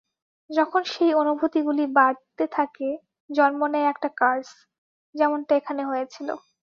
যখন সেই অনুভূতিগুলো বাড়তে থাকে, জন্ম নেয় একটা কার্স, যেমনটা এখানে হয়েছিলো।